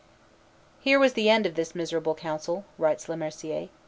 "Here was the end of this miserable council," writes Le Mercier